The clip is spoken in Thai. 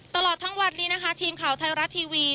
ตลอดทั้งวันนี้นะคะทีมข่าวไทยรัฐทีวี